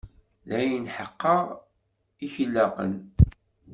D ayen ḥeqqa i k-ilaqen.